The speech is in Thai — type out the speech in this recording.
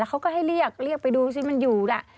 แล้วเขาก็ให้เรียกเรียกไปดูซิมันอยู่แหละ